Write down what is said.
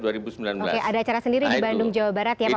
oke ada acara sendiri di bandung jawa barat ya pak